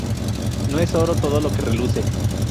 No es oro todo lo que reluce